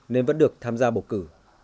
nên vẫn được tham gia bầu cử